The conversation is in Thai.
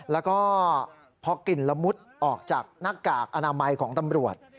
แล้วก็พอกลิ่นละมุดออกจากหน้ากากอนามัยของตำรวจ